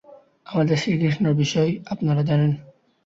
আমাদের শ্রীকৃষ্ণের বিষয় আপনারা জানেন।